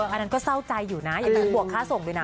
อันนั้นก็เศร้าใจอยู่นะอย่าลืมบวกค่าส่งด้วยนะ